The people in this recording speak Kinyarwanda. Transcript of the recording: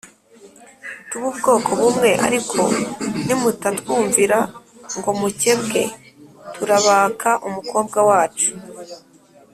tube ubwoko bumwe Ariko nimutatwumvira ngo mukebwe turabaka umukobwa wacu